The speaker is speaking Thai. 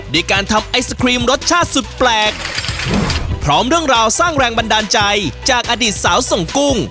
ด้วยการทำไอศครีมรสชาติสุดแปลกพร้อมเรื่องราวสร้างแรงบันดาลใจจากอดีตสาวส่งกุ้ง